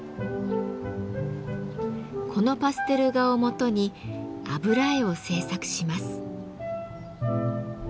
このパステル画をもとに油絵を制作します。